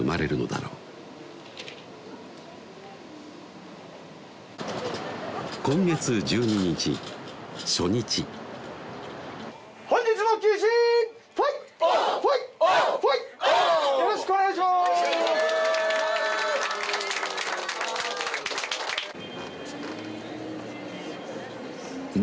よろしくお願いします